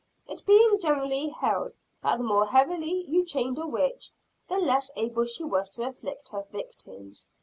It being generally held that the more heavily you chained a witch, the less able she was to afflict her victims.